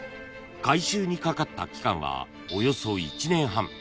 ［改修にかかった期間はおよそ１年半］